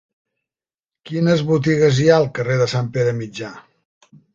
Quines botigues hi ha al carrer de Sant Pere Mitjà?